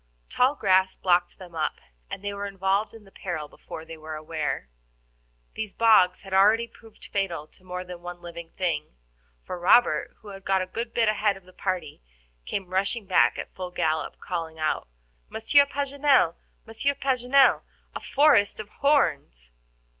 Tall grass blocked them up, and they were involved in the peril before they were aware. These bogs had already proved fatal to more than one living thing, for Robert, who had got a good bit ahead of the party, came rushing back at full gallop, calling out: "Monsieur Paganel, Monsieur Paganel, a forest of horns."